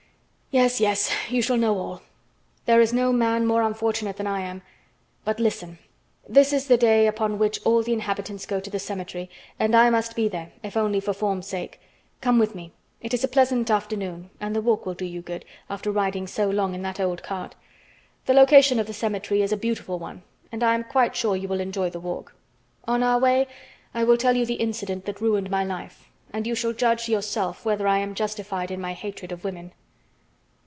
"Yes, yes, you shall know all. There is no man more unfortunate than I am. But listen, this is the day upon which all the inhabitants go to the cemetery, and I must be there, if only for form's sake. Come with me. It is a pleasant afternoon and the walk will do you good, after riding so long in that old cart. The location of the cemetery is a beautiful one, and I am quite sure you will enjoy the walk. On our way, I will tell you the incident that ruined my life, and you shall judge yourself whether I am justified in my hatred of women."